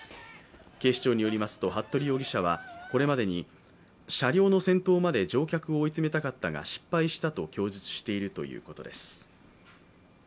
警視庁によりますと、服部容疑者はこれまでに車両の先頭まで乗客を追い詰めたかったが失敗したと供述しているということです。